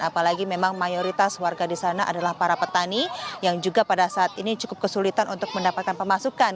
apalagi memang mayoritas warga di sana adalah para petani yang juga pada saat ini cukup kesulitan untuk mendapatkan pemasukan